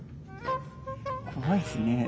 怖いですね。